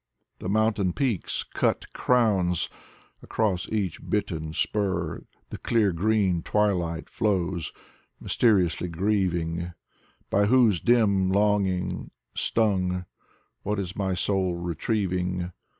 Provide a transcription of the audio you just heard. The mountain peaks: cut crowns! Across each bitten spur The clear green twilight flows, mjrsteriously grieving. By whose dim longing stung, what is my soul retrieving?